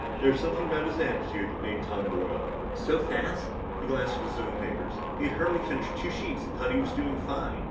There was something about his attitude that made Tom boil. So fast? He glanced at his own papers. He had hardly finished two sheets and thought he was doing fine.